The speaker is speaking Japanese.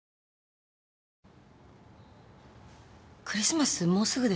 クリスマス